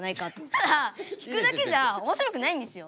ただ弾くだけじゃおもしろくないんですよ。